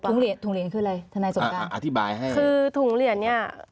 เหรียญถุงเหรียญคืออะไรทนายสงการอธิบายให้คือถุงเหรียญเนี้ย